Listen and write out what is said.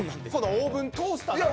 オーブントースターなんです。